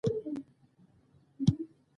پیلوټان مسافرین او بارونه لیږدوي